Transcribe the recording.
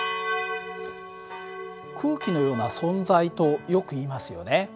空気のような存在とよくいいますよね。